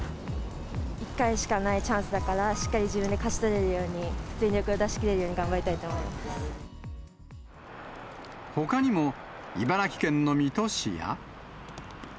一回しかないチャンスだから、しっかり自分で勝ち取れるように、全力を出し切れるように頑張りたほかにも、茨城県の水戸市や。